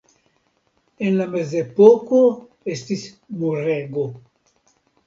En la Mezepoko estis murego.